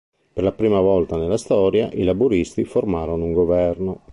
Per la prima volta nella Storia, i Laburisti formarono un governo.